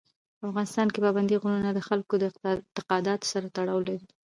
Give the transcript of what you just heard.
په افغانستان کې پابندی غرونه د خلکو د اعتقاداتو سره تړاو لري.